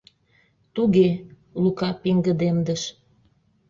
— Туге, — Лука пеҥгыдемдыш.